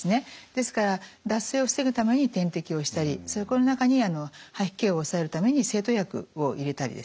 ですから脱水を防ぐために点滴をしたりそこの中に吐き気を抑えるために制吐薬を入れたりですね